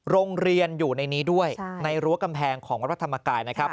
โรงเรียนอยู่ในนี้ด้วยในรั้วกำแพงของวัดพระธรรมกายนะครับ